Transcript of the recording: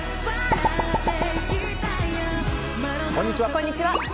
こんにちは。